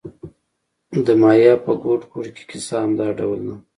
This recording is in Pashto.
د مایا په ګوټ ګوټ کې کیسه همدا ډول ده.